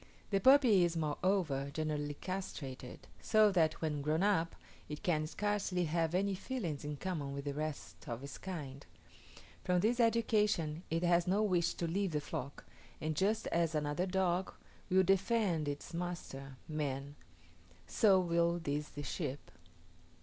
The puppy is, moreover, generally castrated; so that, when grown up, it can scarcely have any feelings in common with the rest of its kind. From this education it has no wish to leave the flock, and just as another dog will defend its master, man, so will these the sheep.